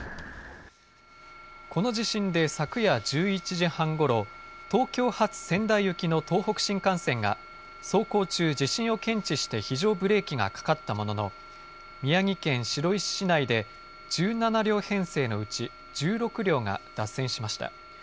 この地震で昨夜１１時半ごろ、東京発仙台行きの東北新幹線が走行中、地震を検知して非常ブレーキがかかったものの宮城県白石市内で１７両編成のうち１６両が脱線しました。